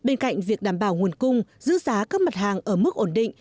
bên cạnh việc đảm bảo nguồn cung giữ giá các mặt hàng ở mức ổn định